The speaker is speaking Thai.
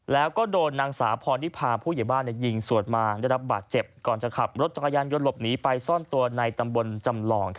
แล้วก็โดนนางสาวพรนิพาผู้ใหญ่บ้านยิงสวดมาได้รับบาดเจ็บก่อนจะขับรถจักรยานยนต์หลบหนีไปซ่อนตัวในตำบลจำลอง